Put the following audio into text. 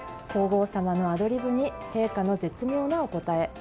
皇后さまのアドリブに陛下の絶妙なお答え。